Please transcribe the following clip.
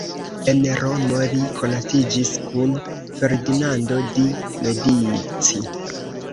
En Romo li konatiĝis kun Ferdinando di Medici.